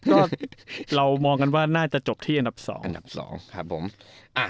ก็เลยเรามองกันว่าน่าจะจบที่อันดับสองอันดับสองครับผมอ่ะ